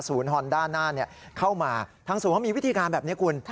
ฮอนด้านหน้าเข้ามาทางศูนย์เขามีวิธีการแบบนี้คุณ